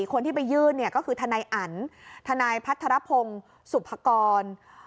คนที่ไปยื่นเนี่ยก็คือทนายอันทนายพัทรพงศ์สุภกร